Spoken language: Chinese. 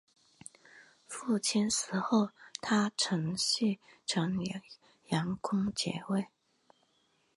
父亲死后他承袭城阳公爵位。